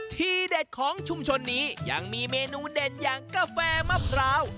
ที่เด็ดของชุมชนนี้ยังมีเมนูเด่นอย่างกาแฟมะพร้าว